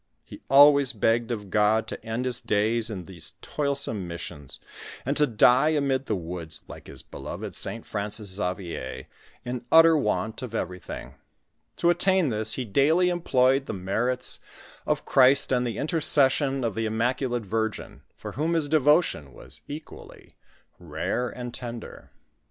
He always begged of God to end his days in these toilsome missions, and to die amid the woods like his beloved St. IE, 64 NARRATITB OF FATHEK MARQUETTI. i!J S 111 ' ill V t r'i' I: Francis Xavier, in uttor want of everything. To attain this he daily employed the merits of Christ and the intercession of the Immaculate Virgin, for whom his devotion was equally rare and tender.